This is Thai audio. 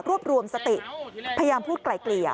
รวบรวมสติพยายามพูดไกล่เกลียว